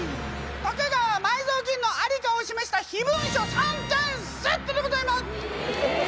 徳川埋蔵金のありかを示した秘文書３点セットでございます！